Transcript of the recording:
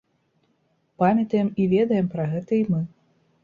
Памятаем і ведаем пра гэта і мы.